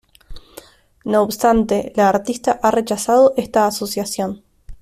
No obstante, la artista ha rechazado esta asociación.